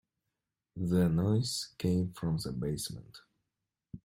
The noise came from the basement.